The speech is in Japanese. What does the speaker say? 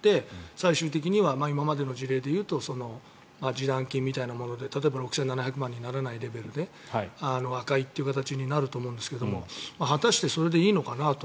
最終的には今までの事例でいうと示談金みたいなもので例えば、６７００万円にならないレベルで和解という形になると思うんですが果たしてそれでいいのかなと。